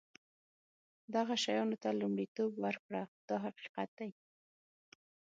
دغه شیانو ته لومړیتوب ورکړه دا حقیقت دی.